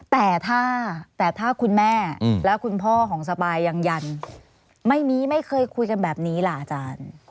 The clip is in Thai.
แต่ถ้าแต่ถ้าคุณแม่และคุณพ่อของสปายยังยันไม่มีไม่เคยคุยกันแบบนี้ล่ะอาจารย์